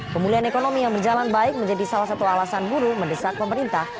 pemulihan ekonomi yang berjalan baik menjadi salah satu alasan buruh mendesak pemerintah